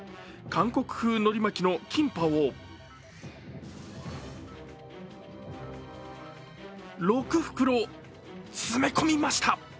韓国風のり巻きのキンパを６袋、詰め込みました。